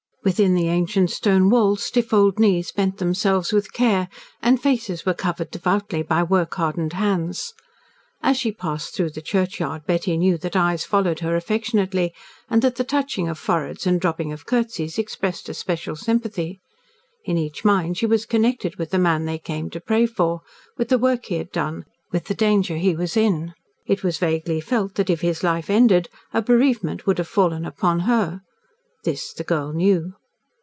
Within the ancient stone walls, stiff old knees bent themselves with care, and faces were covered devoutly by work hardened hands. As she passed through the churchyard Betty knew that eyes followed her affectionately, and that the touching of foreheads and dropping of curtsies expressed a special sympathy. In each mind she was connected with the man they came to pray for with the work he had done with the danger he was in. It was vaguely felt that if his life ended, a bereavement would have fallen upon her. This the girl knew.